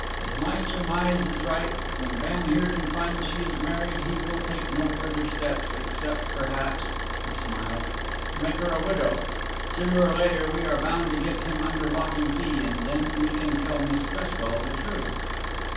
If my surmise is right, when van Heerden finds she is married he will take no further steps except, perhaps," he smiled, "to make her a widow. Sooner or later we are bound to get him under lock and key, and then we can tell Miss Cresswell the truth."